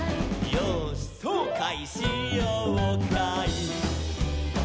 「よーしそうかいしようかい」